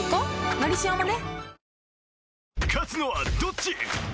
「のりしお」もね